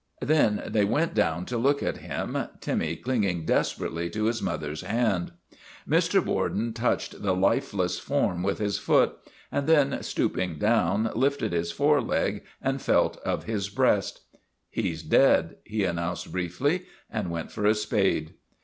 Then they went down to look at him, Timmy clinging desper ately to his mother's hand. Mr. Borden touched the lifeless form with his foot, and then, stooping down, lifted his foreleg and felt of his breast. ' He 's dead," he announced briefly, and went for a spade.